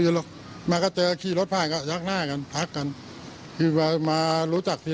ทีนี้ก็เจอก็ยักษ์หน้ากันเขาแค่นั้นหนึ่งไม่เคย